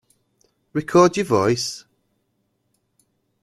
Record your voice.